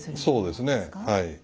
そうですねはい。